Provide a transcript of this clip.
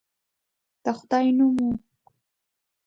د خدای نوم وو.